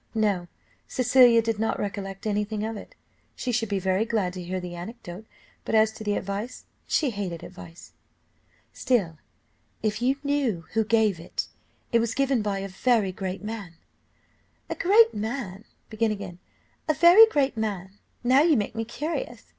No, Cecilia did not recollect any thing of it. She should be very glad to hear the anecdote, but as to the advice, she hated advice. "Still, if you knew who gave it it was given by a very great man." "A very great man! now you make me curious.